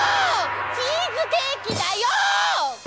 チーズケーキだよ！